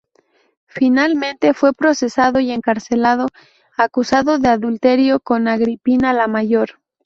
Finalmente fue procesado y encarcelado, acusado de adulterio con Agripina la Mayor.